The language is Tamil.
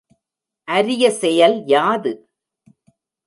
அரிய செயல் யாது?